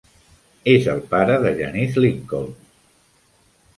És el pare de Janice Lincoln.